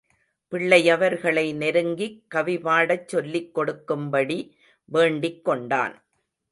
பிள்ளையவர்களை நெருங்கிக் கவிபாடச் சொல்லிக் கொடுக்கும்படி வேண்டிக் கொண்டான்.